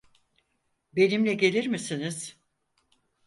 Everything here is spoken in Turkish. Benimle gelir misiniz?